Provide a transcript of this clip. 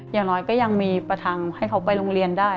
อย่างน้อยก็ยังมีประทังให้เขาไปโรงเรียนได้